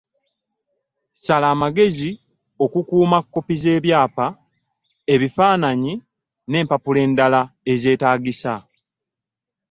Sala amagezi okukuuma kkopi z'ebyapa, ebifaananyi n'empapula endala ezeetaagisa.